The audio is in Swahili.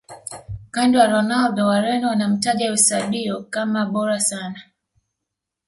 Kando ya Ronaldo wareno wanamtaja eusebio kama bora sana